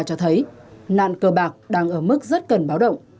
cho thấy nạn cờ bạc đang ở mức rất cần báo động